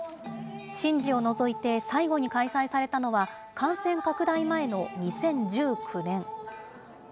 神事を除いて最後に開催されたのは、感染拡大前の２０１９年。